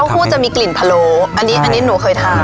เต้าหู้จะมีกลิ่นพะโลอันนี้อันนี้หนูเคยทาน